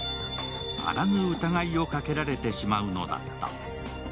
あらぬ疑いをかけられてしまうのだった。